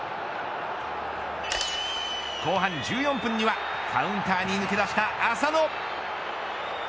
後半１４分にはカウンターに抜け出した浅野。